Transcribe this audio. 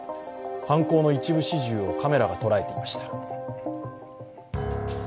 犯行の一部始終をカメラが捉えていました。